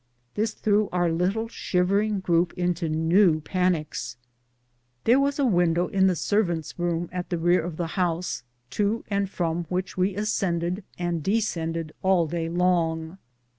This threw our little shivering group into new panics. There was a window in the servants' room at the A DAY OF ANXIETY AND TERROR. 163 rear of the house, to and from which we ascended and descended all day long.